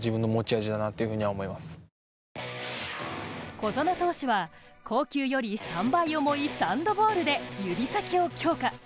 小園投手は硬球より３倍重いサンドボールで指先を強化。